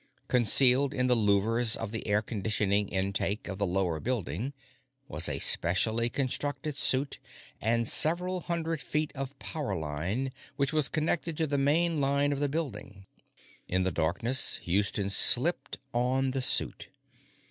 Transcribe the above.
Concealed in the louvres of the air conditioner intake of the lower building was a specially constructed suit and several hundred feet of power line which was connected to the main line of the building. In the darkness, Houston slipped on the suit.